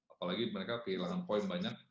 apalagi mereka kehilangan poin banyak